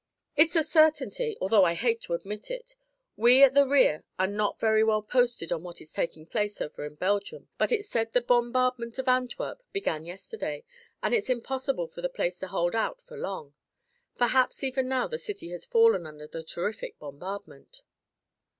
"It's a certainty, although I hate to admit it. We at the rear are not very well posted on what is taking place over in Belgium, but it's said the bombardment of Antwerp began yesterday and it's impossible for the place to hold out for long. Perhaps even now the city has fallen under the terrific bombardment."